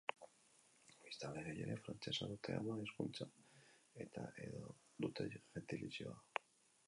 Biztanle gehienek frantsesa dute ama hizkuntza eta edo dute jentilizioa.